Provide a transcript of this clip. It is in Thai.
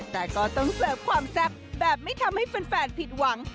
แต่ก็ต้องเสิร์ฟความแซ่บแบบไม่ทำให้แฟนผิดหวัง